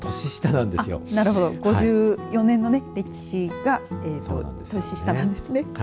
なるほど、５４年のね歴史が年下なんですね。